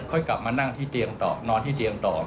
ค่อยกลับมานั่งที่เตียงต่อนอนที่เตียงต่อ